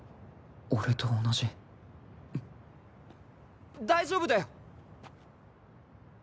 俺と同じ大丈夫だよ！